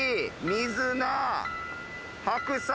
水菜。